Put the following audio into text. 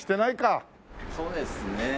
そうですね。